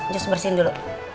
just bersihin dulu